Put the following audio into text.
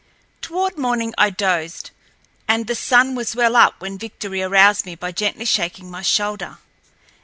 Toward morning I dozed, and the sun was well up when Victory aroused me by gently shaking my shoulder.